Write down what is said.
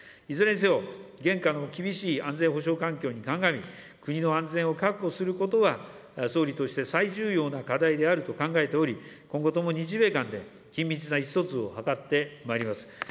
いずれにせよ、現下の厳しい安全保障環境に鑑み、国の安全を確保することが、総理として最重要な課題であると考えており、今後とも日米間で緊密な意思疎通を図ってまいります。